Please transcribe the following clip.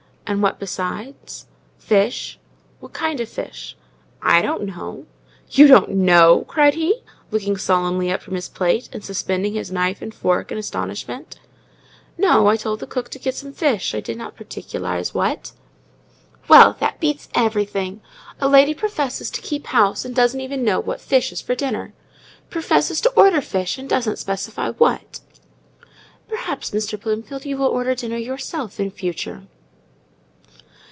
"And what besides?" "Fish." "What kind of fish?" "I don't know." "You don't know?" cried he, looking solemnly up from his plate, and suspending his knife and fork in astonishment. "No. I told the cook to get some fish—I did not particularize what." "Well, that beats everything! A lady professes to keep house, and doesn't even know what fish is for dinner! professes to order fish, and doesn't specify what!" "Perhaps, Mr. Bloomfield, you will order dinner yourself in future."